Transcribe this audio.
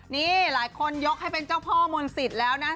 นี่หลายคนยกให้เป็นเจ้าพ่อมนต์สิทธิ์แล้วนะ